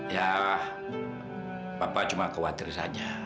ya papa cuma khawatir saja